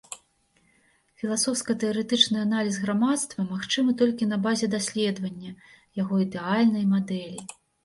Філасофска-тэарэтычны аналіз грамадства магчымы толькі на базе даследвання яго ідэальнай мадэлі.